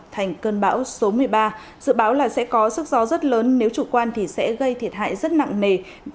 thành cơn bão số một mươi ba dự báo là sẽ có sức gió rất lớn nếu chủ quan thì sẽ gây thiệt hại rất nặng nề